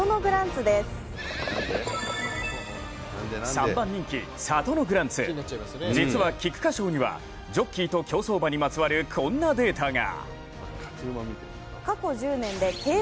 ３番人気、サトノグランツ実は菊花賞にはジョッキーと競争馬にまつわるこんなデータが。